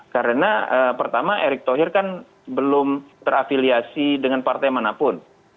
karena pertama erik thohir kan belum terafiliasi dengan partai manapun